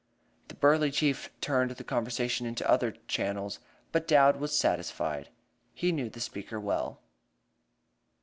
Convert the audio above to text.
The burly chief turned the conversation into other channels, but Dowd was satisfied. He knew the speaker well.